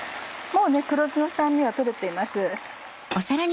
もう黒酢の酸味は取れています。